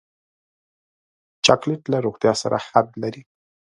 چاکلېټ له روغتیا سره حد لري.